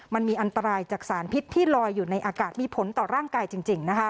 มันมีอันตรายจากสารพิษที่ลอยอยู่ในอากาศมีผลต่อร่างกายจริง